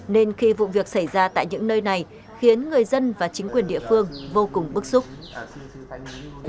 nên khi vụ việc xảy ra tại những nơi này khiến người dân và chính quyền địa phương vô cùng bức xúc